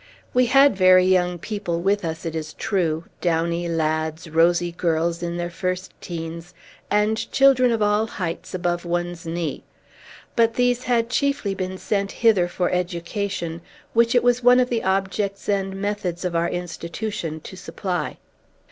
We had very young people with us, it is true, downy lads, rosy girls in their first teens, and children of all heights above one's knee; but these had chiefly been sent hither for education, which it was one of the objects and methods of our institution to supply.